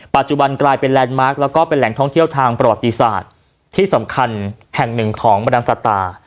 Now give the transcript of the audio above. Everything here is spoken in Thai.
กลายเป็นแลนด์มาร์คแล้วก็เป็นแหล่งท่องเที่ยวทางประวัติศาสตร์ที่สำคัญแห่งหนึ่งของบรรดานสตา